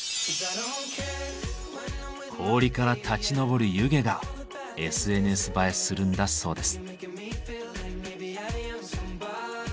氷から立ち上る湯気がＳＮＳ映えするんだそうです。